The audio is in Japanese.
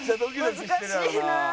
難しいなあ。